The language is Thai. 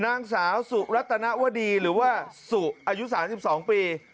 นางสาวสุรัตนวดีหรือว่าสุอายุ๓๒ปี